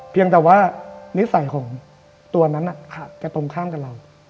เพียงแต่ว่านิสัยของตัวนั้นจะตรงข้ามกับเรา